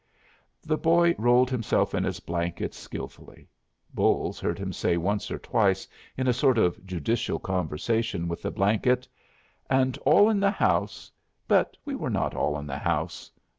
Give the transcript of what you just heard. The boy rolled himself in his blanket skillfully. Bolles heard him say once or twice in a sort of judicial conversation with the blanket "and all in the house but we were not all in the house.